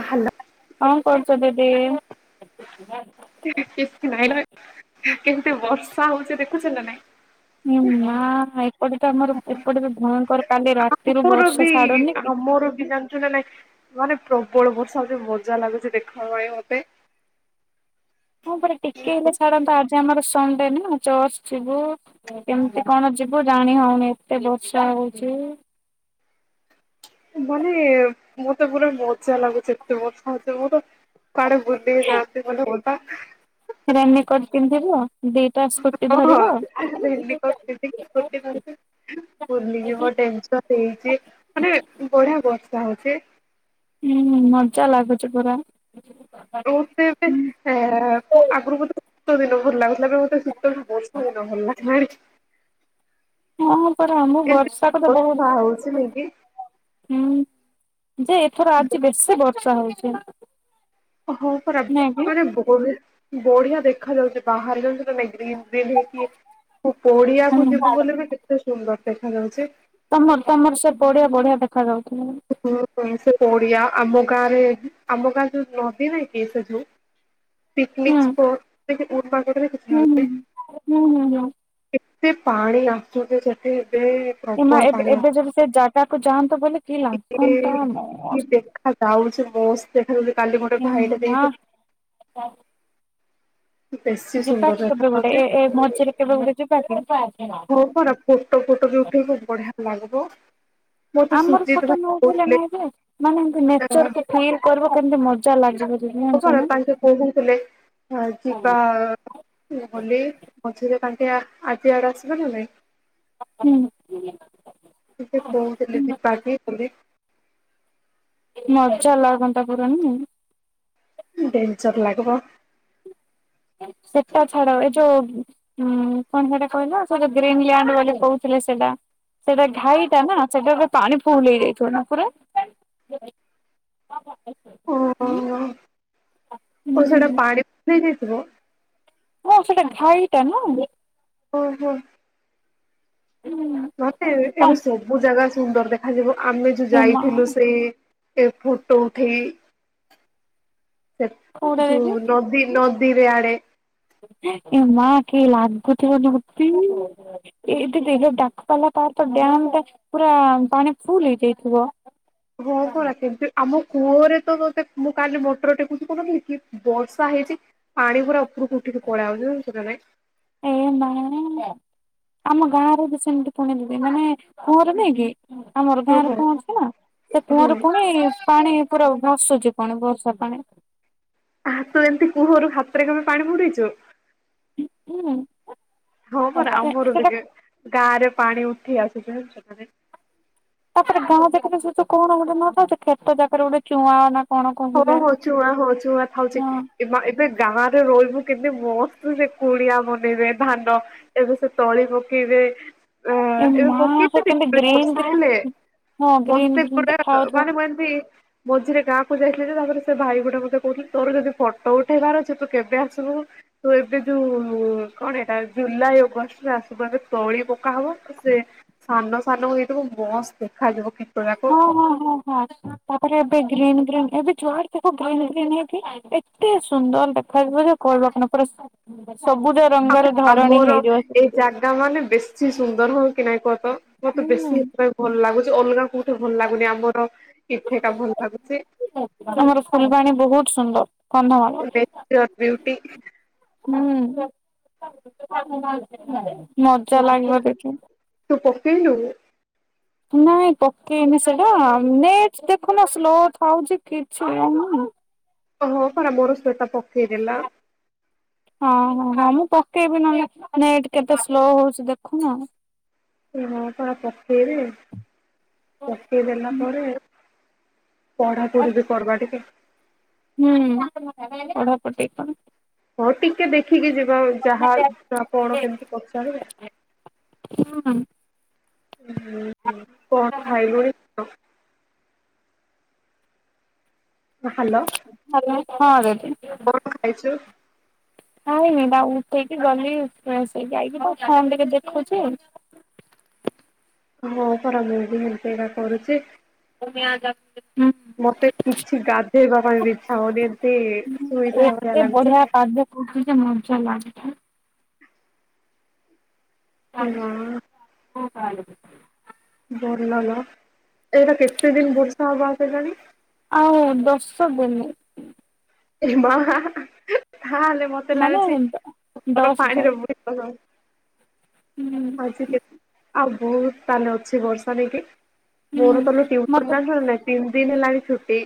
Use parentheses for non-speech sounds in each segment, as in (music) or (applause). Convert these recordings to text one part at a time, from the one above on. ଆ hello କଁ କରୁଚ ଦିଦି? କିଛି ନାଇଁ ବା କେମତି ବର୍ଷା ହଉଚି ଦେଖୁଚୁ ନା ନାଇଁ। ଏ ମା ଏପଟେ ତ ଆମର ଏପଟେ ତ ଭୟଙ୍କର କାଲି ରାତିରୁ ବର୍ଷା ଛାଡୁନି କି ମୋର ବି ଜାଣିଚୁ ନା ନାଇଁ? ମାନେ ପ୍ରବଳ ବର୍ଷା ହୋଉଚି ମଜା ଲାଗୁଚି ଦେଖ ଭାଇ ମତେ। ମୋପାଇଁ ଟିକେ ହେଲେ ଛାଡ଼ନ୍ତା ଆଜି ଆମର ସଣ୍ଡେନା ଚର୍ଚ୍ଚ ଯିବୁ କେମତି କଣ ଯିବୁ ଜାଣି ହଉନି ଏତେ ବର୍ଷା ହଉଚି। ମାନେ ମୋତେ ପୁରା ମଜା ଲାଗୁଚି ଏତେ ବର୍ଷା ହୋଉଚି ଯେ ଆମର କୁଆଡ଼େ ବୁଲି ଯାଆନ୍ତେ ଭଲ ହୁଅନ୍ତା। ରେନି କୋଟ ପିନ୍ଧିବ ଦି ଓହ ରେନିକୋଟ ପିନ୍ଧିକି ବୁଲିପାରିବେ ଭୁଲିଯିବ ଟେନ୍‌ସନ୍‌। ତ ଦେଇଚିମାନେ ବଢିଆ ବର୍ଷା ହଉଚି। ହୁଁ ହୁଁ ମଜା ଲାଗୁଚି ପୁରା। ହୋତ ଏବେ ଆଗରୁ ବେତ ଦିନ ଭଲ ଲାଗୁ (unintelligible) ନାବେ ମତେ ଶୁତଟୁ ବର୍ଷା ଦିନ ଭଲ ଲାଗେ (unintelligible) ହଁ ପରା ଆମ ବର୍ଷାକୁ ତ ବହୁତ ହଉଛି ନାଇଁ କି? ଭୟ ହୁଁ ଯେ ଏଥର ଆଜି ବେଶୀ ବର୍ଷା ହଉଚି। ଓହୋ ପରା ମାନେ ବହୁ ବଢିଆ ଦେଖାଯାଉଚି ବାହାର (unintelligible) ପଡିଆକୁ ଯିବୁ ହୁଁ। ବୋଲି ବି କେତେ ସୁନ୍ଦର ଦେଖା ଯାଉଚି। ତମର ତମର ସେ ପଡ଼ିଆ ବଢ଼ିଆ ଦେଖା ଯାଉଚି। ହୁଁ ସେ ପଡିଆ ଆମ ଗାଁ ରେ ଆମ ଗାଁ ଯୋଉ ନଦୀ ନାଇଁ କି ସେ ଯୋଉ (inaudible) ପିକନିକ ହୁଁ ସ୍ପୋର୍ଟ ହୁଁ। (unintelligible) ହୁଁ ହୁଁ ହୁଁ ଏତେ ପାଣି ଆସୁ ସେଠି ବେ ଏ ମା ଏ ଏବେ ଯଦି ସେ ଜାଗାକୁୁ ଯାଆନ୍ତୁ ବୁଲି ଏ ଦେଖା ଯାଉଚି ମସ୍ତ ଦେଖାଯାଉଚି କାଲି ଗୋଟେ ଭାଇଟା ଦେଇ ଆଛା। ବେଶୀ ସୁନ୍ଦର ଯିବାକି ଦେଖା କେବେ ଗୋଟେ ଏ ଯାଉଛି। ଏ ମଝିରେ କେବେ ଗୋଟେ ଯିବାକି? ଫୋଟ ଫୁଟ ବି ଉଠେଇବୁ ବଢିଆ ଲାଗିବ। ମତେ ଆମର ସୁଜିତ ଫଟୋ ଭାଇ ନଉଠେଇଲେ କହୁଥିଲେ ନାଇଁ ଯେମାନେ ଏତି ନେଚର ଫିଲ୍ କର କେମିତି ମ ଚାଲ ଲାଗିବ ଯିଦି ଘର ତାଙ୍କେ କହୁଥିଲେ ଯିବା ନହେଲେ ମଝିରେ ତାଙ୍କ ଆଜି ଆଡେ ଆସିବ ନା ନାଇଁ? ହୁଁ। ଟିକେ ପହଞ୍ଚିଲେ ସେପାରେ ବୋଲି ମଜା ଲାଗନ୍ତା ପୁରା ନୁହୁଁ। ବେନ୍ ଜର ଲାଗିବ। ସେଟା ଛାଡ ଏ ଯୋଉ ହୁଁ କଣ ସେଟା କହିଲ ସେଟ ଗ୍ରୀନଲଣ୍ଡ ବୋଲି କହୁଥିଲେ ସେଇଟା। ସେଇଟା ଘାଇଟା ନା ସେଇଟା ରେ ପାଣି ଫୁଲ ହେଇ ଯାଇଥିବ ନା ପୁରା? ହ। ଓ ଓ ସେଟା ପାଣି ଫୁଲ ହେଇ ଯାଇଥିବ। ହଁ ସେଟା ଘାଇଟା ନା? ହୁଁ ହୁଁ। ମାନେ ଏବେ ସବୁ ଜାଗା ସୁନ୍ଦର ଦେଖାଯିବ ଆମେ ଯୋଉ ଏ ମା ଯାଇଥିଲୁ ସେଇ ଏ ଫୋଟୋ ଉଠେଇ ସେପ୍ କୋଉଟା ଯୋଉ ଦେବି ନଦୀ ନଦୀରେ ଆଡେ। ଏ ମା କି ଲାଗଥିବ ନଦୀ। ଏଇ ଡାକତାଲା ତାର ତ ଡାମ ଟା ପୁରା ପାଣି ଫୁଲ ହେଇଯାଇଥିବ। ହ କଣ (unintelligible) ଆମ କୂଅରେ ତ ତତେ ମୁଁ କାଲି ମଟର ଟେକୁଛି କନ କି ବର୍ଷା ହେଇଚି। ପାଣି ପୁରା ଉପରକୁ ଉଠିକି ପଳେ ଆଉଛି ଜାଣିଚୁ ନା ନାଇଁ। ଏ ମା ଆମ ଗାଁରେ ବି ସେମିତି ପୁଣି ଦବି ମାନେ କୁଅର ନାଇଁ କି ଆମର ଗାଁରେ ଓହୋ। କୁଅ ଅଛି ନା ସେ ହୁଁ କୁଅରେ ପୁଣି ପାଣି ପୁରା ଭାସୁଚି ପାଣି ବର୍ଷା ପାଣି। ଆହା ତୁ ଏମତି କୁହରୁ ହାତରେ କେବେ ପାଣି ବୁଡେଇଚୁ? ହୁଁ। ହଁ ପରା ଆମର ବି ସେଟା କିଏ ଗାଁରେ ପାଣି ଉଠି ଆସୁଚି ସେଠାରେ। ତାପରେ ଗାଁ ଜାକରେ ସେ ଯୋଉ କଣ ଗୋଟେ ନୂଆ ଥାଉଚି ଖେତ ଜକରେ ଗୋଟେ ଚୁଆଁ ନା କଣ ହଁ କହିବେ ହଁ ଚୁଆଁ ହୋଉ ଯୋଉ ଚୁଆଁ ଥାଉଚି। ହଁ ଏମା ଏବେ ଗାଁରେ ରହିବୁ କେତେ ମସ୍ତ ସେ କୁଡିଆ ବନେଇବେ ଧାନ ଏବେ ସେ ତଳି ପକେଇବେ ଅ ଏ ଏବେ ମା ସେ ପକେଚନ୍ତି କେମିତି ଗ୍ରୀନ୍ ବର୍ଷା ଗ୍ରୀନ୍ ହେଲେ। ହଁ ଗ୍ରୀନ୍ ମତେ ଗ୍ରୀନ୍ ପୁରା ଦେଖା ଯାଉଥିବ ମାନେ ମୁଁ ଏମିତି ମଝିରେ ଗାଁ କୁ ଯାଇଥିଲି ଯେ ତାପରେ ସେ ଭାଇ ଗୋଟେ ମତେ କୋହୁଥିଲେ ତୋର ଯଦି ଫଟୋ ଉଠେଇବାର ଅଛି ତୁ କେବେ ଆସିବୁ? ତୁ ଏବେ ଯୋଉ କଣ ହେଟା ଜୁଲାଇ ଅଗଷ୍ଟରେ ଆସିବୁ ଏବେ ତଳି ପକା ହବ। ସେ ସାନ ସାନ ହେଇଥିବ ମସ୍ତ୍ ଦେଖାଯିବ କିତରାକ। ହଁ ହଁ ହଁ। ତାପରେ ଏବେ ଗ୍ରୀନ୍ ଗ୍ରୀନ୍ ଏବେ ଯୁଆଡ ଦେଖ ଗ୍ରୀନ୍ ଗ୍ରୀନ୍ ହେଇକି ଏତେ ସୁନ୍ଦର ଦେଖାଯିବ ଯେ କହିବ କଣ ପୁରା ସବୁଜ ରଙ୍ଗର ଧରଣୀ ଆମର ହେଇଯିବ ସେ। ଏଇ ଜାଗା ମାନେ ବେଶୀ ସୁନ୍ଦର ହବ କି ନାଇ କହ ତ ମତେ ହୁଁ ବେଶୀ ପୁରା ଭଲ ଲାଗୁଚି ଅଲଗା କୋଉଠି ଭଲ ଲାଗୁନି ଆମର ଏଠି ଏକା ଭଲ ଲାଗୁଚି। ତମର ଫୁଲବାଣି ବୋହୁତ ସୁନ୍ଦର କନ୍ଧମାଳ। ନେଚର ବିୟୁଟି ହୁଁ ମଜା ଲାଗିବ ଦେଖି। ତୁ ପକେଇଲୁଣି? ନାଇଁ ପକେଇନି ସେଟା ନେଟ ଦେଖୁନ ସ୍ଲୋ ଥାଉଚି କିଛି ଆଉନି। ହଁ ପରା ମୋର ସେଇଟା ପକେଇଦେଲା। ହଁ ହଁ ହଁ ମୁଁ ପକେଇବି ନହେଲେେ ନେଟ୍ କେତେ ସ୍ଲୋ ହୋଉଚି ଦେଖୁନ। ଏ ହଁ ପରା ପକେଇବି ପକେଇ ଦେଲା ପରେ ପଢାପଢି ବି କରବା ଟିକେ। ହୁଁ ପଢାପଢ଼ୀ କର। ହଁ ଟିକେ ଦେଖିକି ଯିବା ଆଉ ଯାହା ଯାହା କଣ କେମତି ପଚାରିବେ। ହଁ ହଁ। କଣ ଖାଇଲୁଣି? (inaudible) ହାଲୋ। ହାଲୋ ହଁ (unintelligible) କଣ ଖାଇଚୁ? ଖାଇନି ବା ଉଠେଇକି ଗଲି ସେ ଯାଇକି ପା ଫୋନ ଟିକେ ଦେଖୁଚି। ହଁ ପରା ମୁଁ ବି ହେମତି ଏରା କରୁଚି। ମୁଁ ବି ଆଁ ଯା ମତେ କିଛି ଗାଧେଇବା ପାଇଁ ଇଛା ଅମତି ଶୋଇଥା ଭଳିଆ ଲାଗୁଚି। ପାଗକୁ ଟିକେ ମଜା ଲାଗୁଥା ଏ ନା ହୋଉ ତାହେଲେ ବି ଭଲ ଲୋ ଏଇଟା କେତେ ଦିନ ବର୍ଷା ହବ ଆଉ କେଜାଣି। ଆଉ ଦଶ ଦିନି। ଏ ମାଆ ତାହେଲେ ମତେ ମାନେ ଲାଗୁଛି ମୋର ଦଶ ଥର ପାଣିରେ (unintelligible) ହୁଁ ଆଜି କେ ଆଉ ବୋହୁତ ପାନି ଅଛି ବର୍ଷା ନେଇକି। ହୁଁ ମୋର ତମେ ମତେ ଟ୍ୟୁସନ (unintelligible) ତିନି ଦିନ ହେଲାଣି ଛୁଟି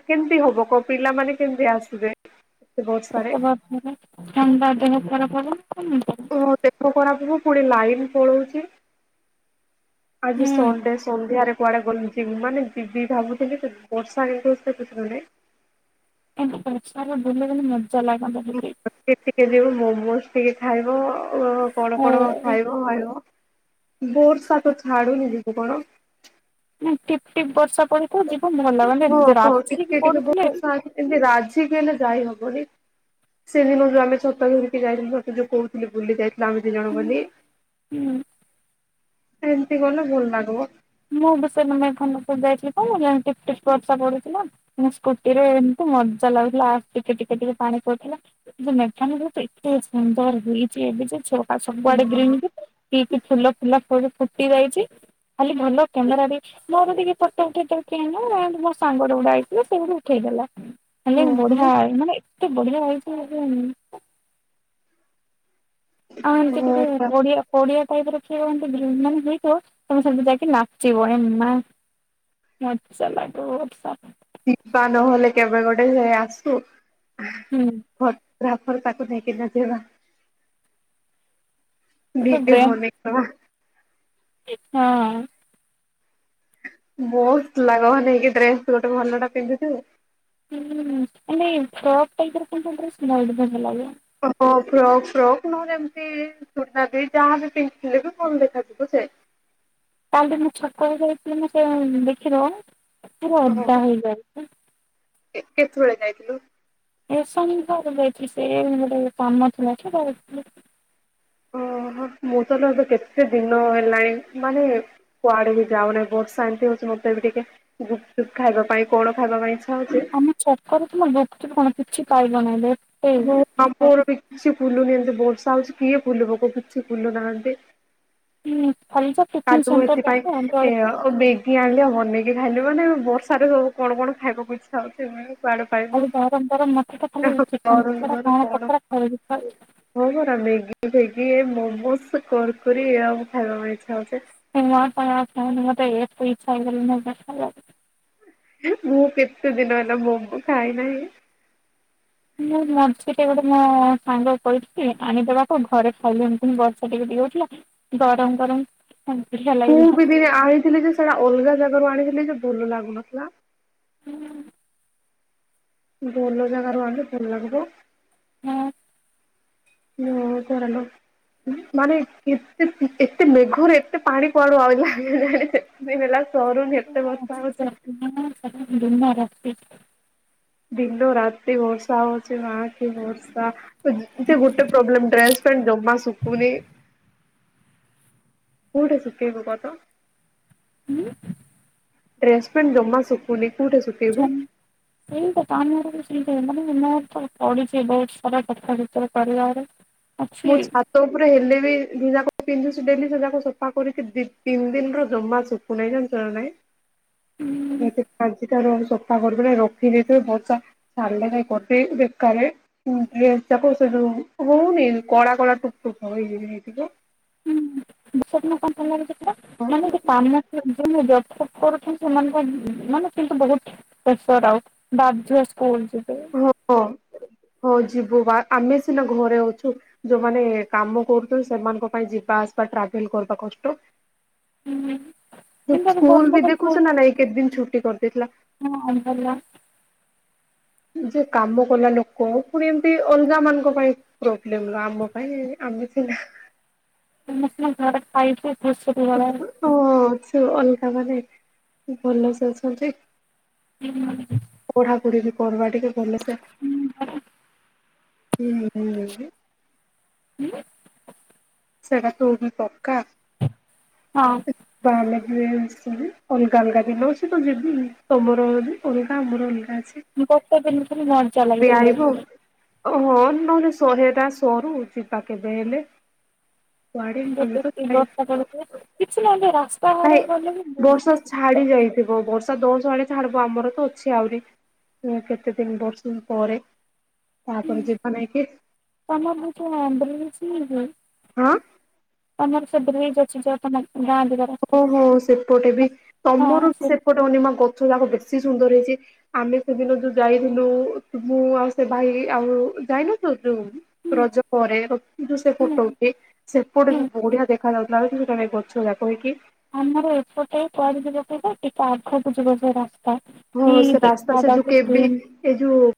ଆ କେମତି ହବ କ ପିଲାମାନେ କେମତି ଆସିବେ? ଏ ବର୍ଷାରେ। ଖରାପ ଥଣ୍ଡା ଦେହ ଖରାପ ହବନା ହବନି। ଓହୋ ଦେଖ ଖରାପକୂ ପୁଣି ଲାଇନ ପଳୋଉଛି। ଆଜି ଏମିତି ସଣ୍ଡେ ସନ୍ଧ୍ୟାରେ କୁଆଡେ ଗଲ ଯିବି ମାନେ ଯିବି ଭାବୁଥିଲି ବର୍ଷା ଆଣିଥୁ ସେ କିଛି ନୁ ଏମତି ବର୍ଷା ରେ ବୁଲ ବୁଲି ମଜା ଲାଗନ୍ତା ଟିକେ ସେ ଟିକେ ଯିବ ମୋମୋ ସ ଟିକେ ଖାଇବ ଆଉ କଣ କଣ ଖାଇବ ଆଇବ। ବୋର୍ସା ତ ଛାଡୁନି ଦିଦି କଣ? ନା ଟିପ୍ ଟିପ୍ ବର୍ଷା ପଡିଥିବ ଯିବୁ ଭଲମାନେ ହଁ ଯା ହଁ ଟିକେ ଟିକେ ରାଚୀକିପଡୁଥିଲେ। ବର୍ଷା ଏମିତି ରାଜିିକି ହେଲେ ଯାଇହବନି ସେଦିନ ଯଉ ଆମେ ଛତା ଧରିକି ଯାଇଲୁ ତତେ ଯୋଉ କହୁ ବୁଲି ଯାଇଥିଲ ଆମେ ଦି ଜଣ ବୋଲି। ହୁଁ ସେମିତି ଗଲେ ଭଲ ଲାଗିବ। ମୁଁ ବିଷ ମେ ଖନପୁର ଯାଇଥିଲି କଣ ହେଲା ଟିପ ଟିପ ବର୍ଷା ପଢୁଥିଲା। ମୁଁ ସ୍କୁଟି ରେ ଏମିତି ମଜା ଲାଗୁଥିଲା ଆସ ଟିକେ ଟିକେ ଟିକେ ପାଣି ପଡଥିଲା। ମେଟାନ ତ ଏତେ ସୁନ୍ଦର ହେଇଛି ଏବେ ଯେଛ ଆଉ ସବୁଆଡେ ଗ୍ରୀନ୍ ପଇ ଫୁଲ ଫୁଲା ଫୁଟି ଯାଇଛି ଖାଲି ଭଲ। କେନ୍ଦର ଅପେକ୍ଷ ମୋର ଟିକେ ପଟ ଉଠେଇ ତ କିୁ ମୋ ସାଙ୍ଗରେ ଗୋଡା ଆଇଥିଲା ସେଇୁଠ ଉଠେଇ ଦେଲା। ହଁ ହେଲେ ହଁ ବଢିଆ ମାନେ ଏତେ ବଢିଆ ହଇଛି। ଆଁ ଏମତି ହଁ କିବିଓଡିଆ। ପଡିଆ ଟାଇପ ରଖିବ ଏମିତି ବୁଲ୍ ମାନେ ହେଇଥିବ ତମେ ସେମିତି ଯାଇକି ନାଚିବ ଏମ୍ ମା ମର ଚା ଲାଗୁ ଓଡ଼ଶା ଯିବା ନହେଲେ କେବେ ଗୋଟେ ସେ ଆସୁ। ହୁଁ। ଫଟୋଗ୍ରାଫର ତାକୁ ନେଇକି ନ ଯିବା। ବ୍ରେନ୍ (unintelligible) ହଁ। ମୋସ୍ତ ଲାଗ ନେଇକି ଡ୍ରେସ ଗୋଟେ ଭଲ ଟା ପିନ୍ଧୁଛୁ। ହୁଁ ମାନେ ଫ୍ରକ ଟାଇପର (unintelligible) ଡ୍ରେସ ଭ ଭଲ ଲାଗୀବ। ହଁ ଫ୍ରକ୍ ସ ଫ୍ରକ୍ ନହଲେ ଏମିତି ଚନା ବି ଯାହା ବି ପିନ୍ଧିଥିଲେ ବି ଭଲ ଦେଖାଯିବୁ ସେ ତାଲେ ତ ମୁଁ ଛକ ଯାଇଥିଲି ମ ସେ ଦେଖିବ ପୁରା ଅଦା ହେଇଯାଇଛି। କେତେଥର ଯାଇଥିଲୁ? ଏ ଶଣି ଘର ଯାଇଥି ସେ ଗୋଟେ କାମ ଥିଲା କି ଓ ହୋ ମୁଁ ତହଲେ ଏବେ କେତେ ଦିନ ହେଲାଣି ମାନେ କୁଆଡେ ବି ଯାଉନି ବହୁତ ଶାନ୍ତି ହଉଛି ମତେ ବି ଟିକେ ଗୁପ ଚୁପ୍ ଖାଇବା ପାଇଁ କଣ ଖାଇବା ପାଇଁ ଇଚ୍ଛା ହଉଛି? ତମ ଛକରେ ତୁମର ଗୁପୁ ଚୁପ୍ କଣ କିଛି ପାଇବନେଇ ଲୋ ମୁଁ ଆମ୍ପା ର କିଛି ଫୁଲ ନି ବୋରସଆ ହଉଛି କିଏ ଫୁଲ ବ କିଛି ଫୁଲ ନାନ୍ତି। ହୁଁ ଭଲିଛ। ତାର ମୁ ଏଥିପାଇଁ ଏ ଆଉ ବେକି ଆଣିଲି ଆଉ ବନେଇକି ଖାଇଲି ମାନେ ବର୍ଷାରେ ସବୁ କଣ କଣ ଖାଇବାକୁଇ୍ଛା ହଉଛି। କୁଆଡେ ଖାଲି ଗରମ ଗରମ ମତେ ତ ଖାଲି ପାଇବୁର ଚିକେନ କଣ ପକୋଡା ମାନେ କଣ ପକୋଡା ଖାଇବାକୁ ଇଚ୍ଛା ହଉଛି। ହଁ ପରା ମେଗି ଭେଗୀ ଏ ମମୋସ କର କରୀ ଆଉ ଖାଇବା ପାଇଁ ଇ୍ଛା ହଉଛେ। ହ ମ ପାଇଁ ମତେ ଏ ଇଚ୍ଛା ହେଇଲେ ମତ ଦେଖ ଲାଗେ। (unintelligible) ମୁଁ କେତେ ଦିନ ହେଲା ମମୁ ଖାଇନାହିଁ। ମୁଁ ମଝି ଟିକେ ଗୋଟେ ମୋ ସାଙ୍ଗ କହିଥିଲି ଆଣିଦବାକୁ ଘରେ ଖାଇଲେମିତି ବର୍ଷା ଟିକେ ଦିଅ ହଉଥିଲା। ଗରମ ଗରମ (unintelligible) ମୁଁ ବି ଦିନେ ଆଣିଥିଲି ଯେ ସେଟା ଅଲଗା ଜାଗାରୁ ଆଣିଥିଲି ଯେ ଭଲ ଲାଗୁନଥିଲା। ହୁଁ। ଭଲ ଜାଗା ରୁହନ୍ତୁ ଭଲ ଲାଗିବ। ହଁ। ମୁଁ କର ଲୋ ମାନେ ଏତେ ଏତେ ମେଘରେ ଏତେ ପାଣି କୁଆଡୁ ଆଉଲା। ମେ ରେଲା ସରୁନି ଏତେ ବର୍ଷା ହେଉଚି। (unintelligible) ଦିନ ରାତି ବର୍ଷା ହେଉଛି ମା କି ବର୍ଷା। ଅ ଯେ ଗୋଟେ ପ୍ରୋବ୍ଲେମ ଡ୍ରେସ ପେଣ୍ଟ ଜମା ଶୁଖୁନି। କଉଟା ଶୁଖେଇବୁ କ ତ। ହୁଁ। ଡ୍ରେସ୍ ପେଣ୍ଟ ଜମା ଶୁଖୁନି କଉଟା ସୁ- ଜାଣିନ୍ (unintelligible) ମୁଁ ଛାତ୍ ଛାଟ ଉପରେ ହେଲେ ବି ଯିଏ ଯାକୁ ପିନ୍ଧୁଛି ଡେଲି ସେ ଯାକୁ ସଫା କରିକି ଦି ତିନି ଦିନ ରୁ ଜମା ସୁ କୁନାଇ ଜାଣିଚୁ ନା ନାଇ। (unintelligible) (unintelligible) କଳା କଳା ଟୁକ୍ ଟୁକ୍ (unintelligible) ହେଇଯିବ। (unintelligible) କରୁଛନ୍ତି ସେମାନଙ୍କ ମାନେ କିନ୍ତୁ ବହୁତ ପ୍ରେସର ଆଉ ବାଧ୍ୟ ସ୍କୁଲ ଯିବେ। ଓ ଓ ହଉ ଯିବୁ ବା ଆମେ ସିନା ଘରେ ଅଛୁ। ଯୋଉମାନେ କାମ କରୁଛନ୍ତି ସେମାନଙ୍କ ପାଇଁ ଯିବା ଆସିବା ଟ୍ରାଭେଲ କରିବା କଷ୍ଟ। ଯେ କିନ୍ତୁ ଏବେ ସ୍କୁଲ ବି ବର୍ଷାରେ ସ୍କୁଲ ଦେଖୁଛ ନା ନାଇଁ କେତେ ଦିନ ଛୁଟି କରିଦେଇଥିଲା। ହଁ ଭଲ। ଯିଏ କାମ କଲା ଲୋକ ପୁଣି ଏମିତି ଅଲଗା ମାନଙ୍କ ପାଇଁ ପ୍ରୋବ୍ଲେମ ଆମ ପାଇଁ ଆମେ ସିନା ଆମେ ସିନା ଘରେ ଖାଇ ପିଅ ବସ। ହଁ ସେ ଅଲଗା ମାନେ ଭଲ ସେ ଅଛନ୍ତି। ହୁଁ ହୁଁ। ପଢ଼ାପଢ଼ି ବି କରିବା ଟିକେ ଭଲସେ। ହୁଁ ହୁଁ ହୁଁ। ହୁଁ। ସେଟା କଉଠି ହିଁ ପକା। ହଁ। ତାହାଲେ ବି ସେଇ ଅଲଗା ଅଲଗା ବି ନଉଛି ତ ଯିବିନି ତମର ବି ଅଲଗା ମୋର ଅଲଗା ଅଛି। ଉଁ ଗୋଟ ଦିନ ରେ ଘର୍ ଚାଲ। ପିଆଇବୁ ଓହୋ ନହେଲେ ଶରୁ ଏଟା ସରୁ ଯିବା କେବେ ହେଲେ। କୁଆଡ଼େ ଆମେ ଗୋଟେ ତ କି ବର୍ଷା (unintelligible) ପଡୁଥିଲା କିଛି ନ ହେଲେ ରାସ୍ ଭାଇ ବର୍ଷା ଛାଡି ଯାଇଥିବ ବର୍ଷା ଦଶ ଆଡେ ଛାଡିବ ଆମର ତ ଅଛି ଆହୁରି। ଆ କେତେ ଦିନ ବର୍ଶୁ ପରେ ତାପରେ ଯିବା ନେଇକି। ତମର ବହୁତ (unintelligible) ଅଛି କି। ହଁ। ତମର ସେ ବ୍ରିଜ୍ ଅଛି ଯୋଉ ତମ ଗାଁ ଦିଗ ଓହୋ ସେପଟେ ବି ତମର ହଁ ସେ ସେପଟେ ହନିମା ଗଛ ଯାକ ବେଶି ସୁନ୍ଦର ହେଇଛି। ଆମେ ସେଦିନ ଯୋଉ ଯାଇଥିଲୁ ତୁ ମୁଁ ଆଉ ସେ ଭାଇ ଆଉ ଯାଇନୁ ଥିଲୁ ଯୋଉ ହୁଁ ରଜ ପରେ ଯୋଉ ସେ ହୁଁ ଫଟୋ ଉଠେଇ ସେପଟେ ହୁଁ ବି ବଢିଆ ଦେଖା ଯାଉ (unintelligible) ଗଛ ଯାକ ହେଇକି। ଆମର ଏପଟେ କୁଆଡେ ଯିବ କି ଯେ ଟିକେ ଆଗକୁ ଯିବାକୁ ରାସ୍ତା। କି ଓହୋ ସେ ରାସ୍ତା ଦେଖା ସେ ଯୋଉ ଯାଉଛି କେବି ଗ୍ରୀନ୍ ଏ ଯୋଉ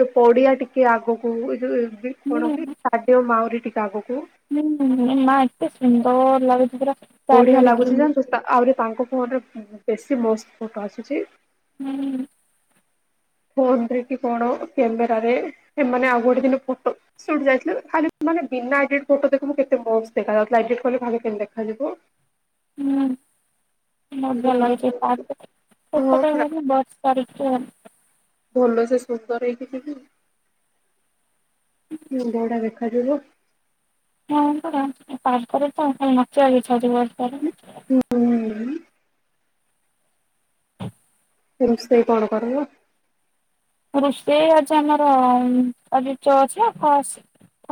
ଏ ପଡିଆ ଟିକେ ଆଗକୁ ଏ ଯୋଉ ଏବେ କଣ କି? ଷ୍ଟାଡିୟମ୍ ଆଉରି ଟିିକେ ଆାଗକୁ ହେ ମା ଏତେ ସୁନ୍ଦର ଲାଗୁଚିପରା। ବଢିଆ ଲାଗୁଛି ଜାଣିଚୁ ଆହୁରି ତାଙ୍କ ଫୋନରେ ବେଶୀ ମସ୍ତ ଫଟୋ ଆସୁଛି। ହୁଁ। ଫୋନ୍ ରେ କି କଣ କ୍ୟାମେରାରେ ଏ ମାନେ ଆଉ ଗୋଟେ ଦିନି ଫଟୋ ସିଆ ଡେଯାଇଥିଲୁ ଖାଲି ମାନେ ବିନା ଏଡିଟ୍ ଫଟୋ ଦେଖୁନୁ କେତେ ମସ୍ତ ଦେଖା ଯାଉଥିଲା ଏଡିଟ୍ କଲେ ଭାବେ କେମି ଦେଖାଯିବ। ହୁଁ ହୁଁ ମଜା ଲାଗୁଛି ପ୍ରାର୍କରେ ହଁ ସେତ ପୁରା ବେଳେ ମଧ୍ୟ ବର୍ଷା ପରୀକ୍ଷ ଜୁନ୍ ଭଲ ସେ ସୁନ୍ଦର ହେଇକି ଯିବି ମୁଣ୍ଡ ଟା ଦେଖାଯିବ। ହଁ ପରା ପାର୍କରେ ତ ନାଚିବାକୁ ଇଛା ହେଉଛି ବର୍ଷା ରେ। ହୁଁ। ରୋଷେଇ କଣ କରିବ? ରୋଷେଇ ଆଜି ଆମର ଆଜି ଚଅଛି କସ୍ ସେ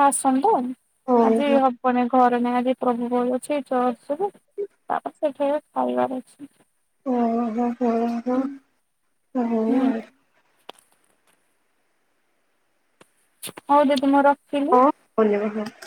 ଆସନ୍ତୁ। ଆଜି ଓହୋ ହବନେଇ ଘରେ ନାଇଁ ଆଜି ପ୍ରଭୁ ବୋଉ ଅଛି ଚର୍ଚ୍ଚରେ ତାପରେ ସେଇଠେ ଅଲଗାଆଡେ ଅଛି। ଓହୋ ଆଜ୍ଞା ପାଳେ ଇଆସିବ ହୁଁ (inaudible) ହଉ ଦିଦି ମୁଁ ରଖିଲି। କୁଆଡେ ଯିବକୁ ଆଉ।